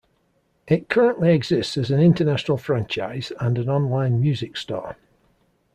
It currently exists as an international franchise and an online music store.